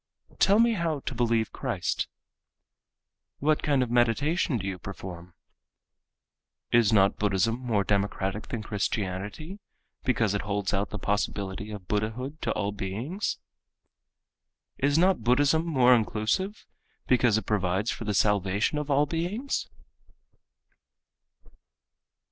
Tell me how to believe Christ. What work of meditation do you perform? Is not Buddhism more democratic than Christianity, because it holds out the possibility of Buddhahood to all beings? Is not Buddhism more inclusive, because it provides for the salvation of all beings?